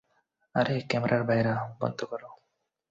আরে ক্যামেরার ভাইয়েরা বন্ধ করো।